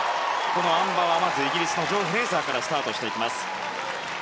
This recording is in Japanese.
このあん馬は、まずイギリスのジョー・フレーザーからスタートしていきます。